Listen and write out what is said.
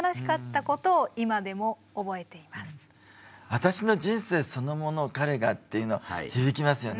私の人生そのもの彼がっていうの響きますよね。